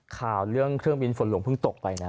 ข่าวเรื่องเครื่องบินฝนหลวงเพิ่งตกไปนะ